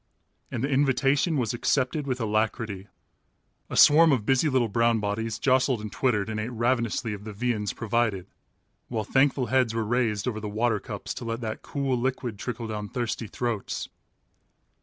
And the invitation was accepted with alacrity. A swarm of busy little brown bodies jostled and twittered and ate ravenously of the viands provided, while thankful heads were raised over the water cups to let that cool liquid trickle down thirsty throats.